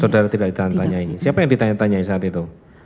saudara tidak ditanyai siapa yang ditanyai saat itu